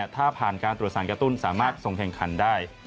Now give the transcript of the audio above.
ถ้าผ่านการตรวจสารกระตุ้นสามารถส่งแข่งขันได้